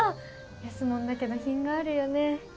安もんだけど品があるよね。